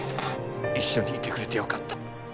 一緒にいてくれてよかった。